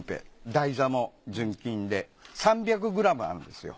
台座も純金で３００ｇあるんですよ。